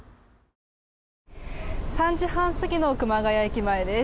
３時半過ぎの熊谷駅前です。